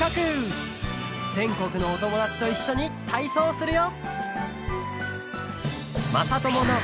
ぜんこくのおともだちといっしょにたいそうするよ！